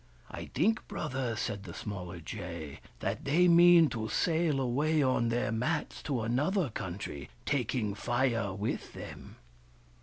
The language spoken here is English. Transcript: I think, brother," said the smaller jay, " that they mean to sail away on their mats to another country, taking Fire with them."